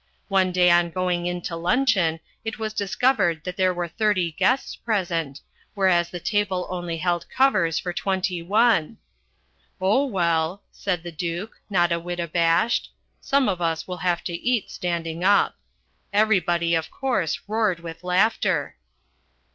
One day on going in to luncheon it was discovered that there were thirty guests present, whereas the table only held covers for twenty one. 'Oh, well,' said the Duke, not a whit abashed, 'some of us will have to eat standing up.' Everybody, of course, roared with laughter."